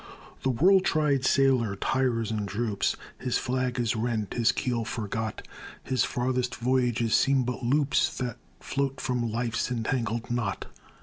The world tried sailor tires and droops; His flag is rent, his keel forgot; His farthest voyages seem but loops That float from life's entangled knot.